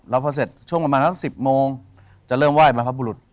แล้วพอเสร็จช่วงประมาณสัก๑๐โมงจะเริ่มไหว้บรรพบุรุษ